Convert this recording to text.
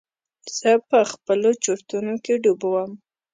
زه په خپلو چورتونو کښې ډوب وم.